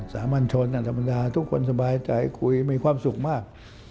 สามัญชนธรรมดาทุกคนสบายใจคุยมีความสุขมาก